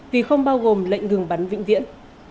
vì không bao gồm lệnh ngừng bắn vĩnh viễn